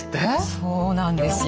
そうなんですよ。